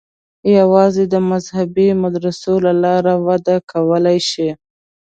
یوازې د مذهبي مدرسو له لارې وده کولای شي.